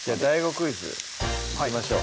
クイズいきましょう